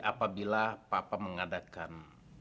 apabila papa mengadakan